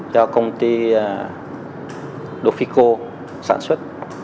do công ty dofico sản xuất